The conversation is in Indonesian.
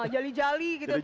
jali jali gitu tau